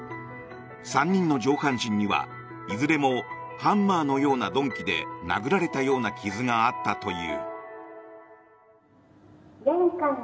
３人の上半身にはいずれもハンマーのような鈍器で殴られたような傷があったという。